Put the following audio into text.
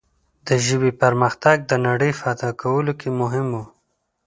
د ژبې پرمختګ د نړۍ فتح کولو کې مهم و.